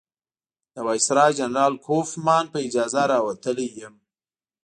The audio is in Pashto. د وایسرا جنرال کوفمان په اجازه راوتلی یم.